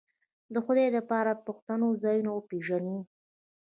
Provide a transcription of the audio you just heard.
د خدای د پاره پښتنو ځانونه وپېژنئ